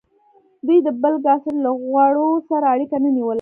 دوی د بل کاسټ له غړو سره اړیکه نه نیوله.